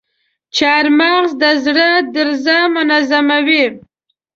چارمغز د زړه درزا منظموي.